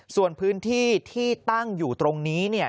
ส่วนพื้นที่ที่ตั้งอยู่ตรงนี้เนี่ย